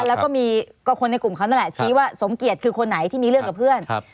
แล้วก็มีก็คนในกลุ่มเขานั่นแหละชี้ว่าสมเกียจคือคนไหนที่มีเรื่องกับเพื่อน